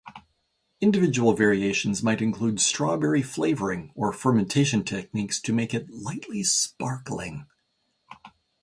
Individual variations might include strawberry flavoring or fermentation techniques to make it lightly sparkling.